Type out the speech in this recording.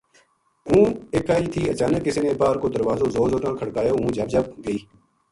ہوں اِکا ہی تھی اچانک کسے نے باہر کو دروازو زور زور نال کھڑکایو ہوں جھَب جھَب گئی